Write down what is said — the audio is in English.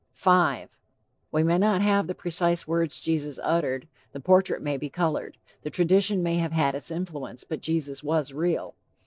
V. "We may not have the precise words Jesus uttered; the portrait may be colored;....tradition may have had its influence; but Jesus was real."